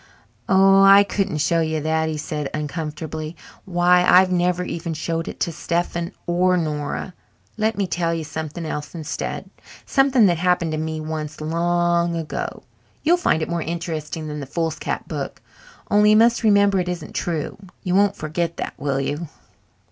"Oh, I couldn't show you that," he said uncomfortably. "Why, I've never even showed it to Stephen or Nora. Let me tell you something else instead, something that happened to me once long ago. You'll find it more interesting than the foolscap book, only you must remember it isn't true! You won't forget that, will you?"